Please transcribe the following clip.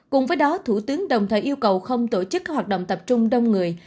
cùng với đó thủ tướng đồng thời yêu cầu không tổ chức các hoạt động tập trung đông người